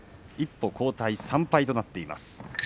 一歩後退、３敗となっています。